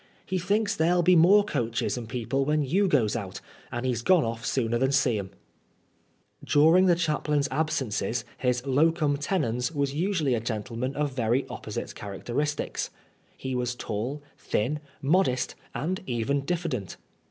He thinks ther'll be more coaches and people when you goes out, and he's gone off sooner than see 'em/' During the chaplain's absences his locimi tenens was usually a gentleman of very opposite characteristics. He was tall, thin, modest, and even diffident.